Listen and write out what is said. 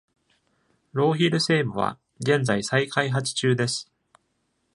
ローヒル西部は現在再開発中です。